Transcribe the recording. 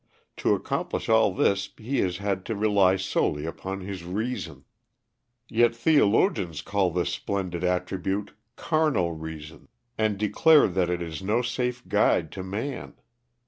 To accomplish all this he has had to rely solely upon his reason. Yet theologians call this splendid attribute carnal reason, and declare that it is no safe guide to man.